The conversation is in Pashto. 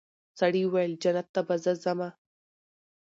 سړي وویل جنت ته به زه ځمه